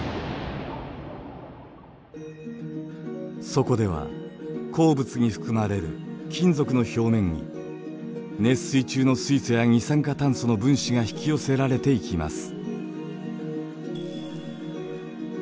そこでは鉱物に含まれる金属の表面に熱水中の水素や二酸化炭素の分子が引き寄せられていきます。